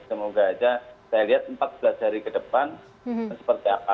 semoga aja saya lihat empat belas hari ke depan seperti apa